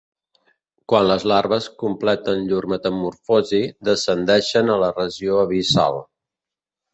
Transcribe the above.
Quan les larves completen llur metamorfosi, descendeixen a la regió abissal.